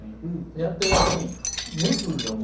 やってる間に、熱がもう。